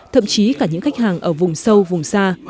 thậm chí cả những khách hàng ở vùng sâu vùng xa